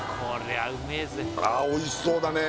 ああおいしそうだねえ